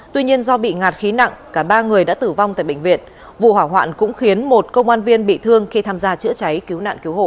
tuy nhiên do bị ngạt khí nặng cả ba người đã tử vong tại bệnh viện vụ hỏa hoạn cũng khiến một công an viên bị thương khi tham gia chữa cháy cứu nạn cứu hộ